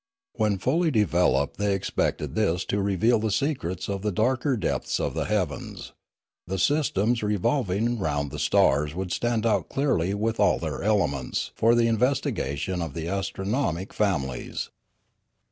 When fully de veloped they expected this to reveal the secrets of the darker depths of the heavens; the systems revolving round the stars would stand out clearly with all their elements for the investigation of the astronomic families.